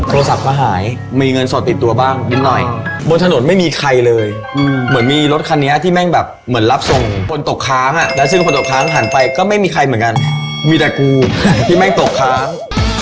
โทรศัพท์ก็หายมีเงินสดติดตัวบ้างนิดหน่อยบนถนนไม่มีใครเลยเหมือนมีรถคันนี้ที่แม่งแบบเหมือนรับส่งคนตกค้างอ่ะแล้วซึ่งคนตกค้างหันไปก็ไม่มีใครเหมือนกันมีแต่กูที่แม่งตกค้าง